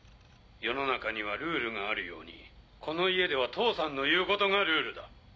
世の中にはルールがあるようにこの家では父さんの言うことがルールだ。